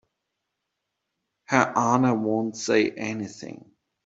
Her Honor won't say anything.